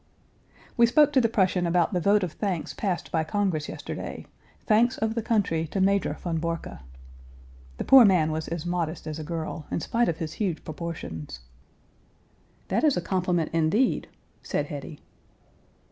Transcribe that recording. We spoke to the Prussian about the vote of thanks passed by Congress yesterday "thanks of the country to Major von Borcke." The poor man was as modest as a girl in spite of his huge proportions. "That is a compliment, indeed!" said Hetty.